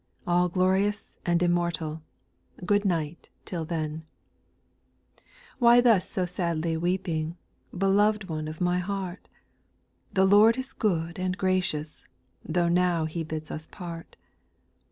All glorious and immortal ; Good night till then I 8. Why thus so sadly weeping. Beloved one of my ?ieart ? The Lord is good and graciouSi Tho' now He bids us part.